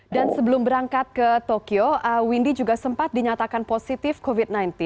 dan sebelum berangkat ke tokyo windy juga sempat dinyatakan positif covid sembilan belas